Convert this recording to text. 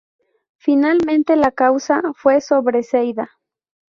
Finalmente la causa fue sobreseída.